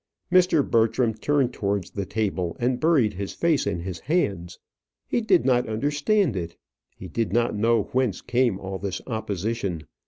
Mr. Bertram turned towards the table, and buried his face in his hands. He did not understand it. He did not know whence came all this opposition.